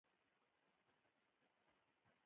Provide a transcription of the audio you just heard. درې متره پلنوالی او يو متر لوړوالی لري،